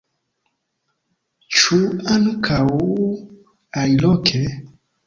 Ĉu ankaŭ aliloke?